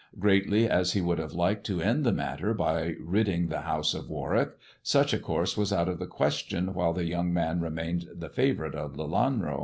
Greatly as he would have liked to end the matter by ridding the house of Warwick, such a course was out of the question while the young man remained the favourite of Lelanro.